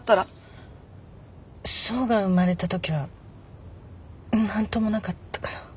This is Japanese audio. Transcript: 想が生まれたときは何ともなかったから。